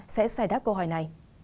sẽ giải đáp câu hỏi này